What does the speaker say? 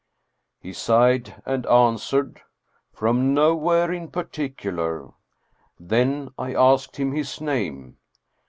He sighed and answered: " From nowhere in particular." Then I asked him his name.